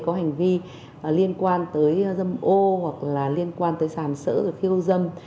có hành vi liên quan tới dâm ô hoặc là liên quan tới sàn sỡ khiêu dâm